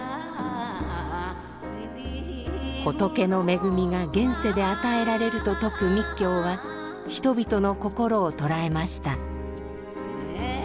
仏の恵みが現世で与えられると説く密教は人々の心を捉えました。